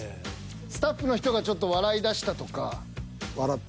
スタッフの人がちょっと笑いだしたとか。